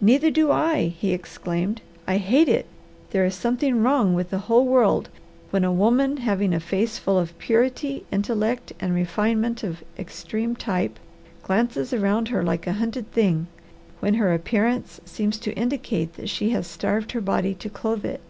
"Neither do I!" he exclaimed. "I hate it! There is something wrong with the whole world when a woman having a face full of purity, intellect, and refinement of extreme type glances around her like a hunted thing; when her appearance seems to indicate that she has starved her body to clothe it.